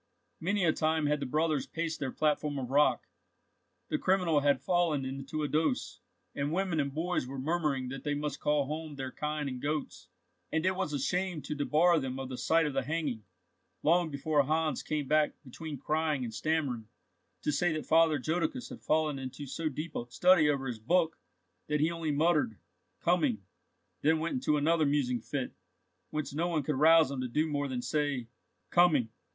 Many a time had the brothers paced their platform of rock, the criminal had fallen into a dose, and women and boys were murmuring that they must call home their kine and goats, and it was a shame to debar them of the sight of the hanging, long before Hans came back between crying and stammering, to say that Father Jodocus had fallen into so deep a study over his book, that he only muttered "Coming," then went into another musing fit, whence no one could rouse him to do more than say "Coming!